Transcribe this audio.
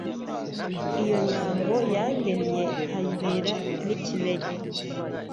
Iyi Nyambo yangennye Nkayibera n'ikinege